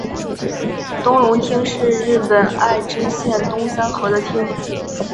东荣町是日本爱知县东三河的町。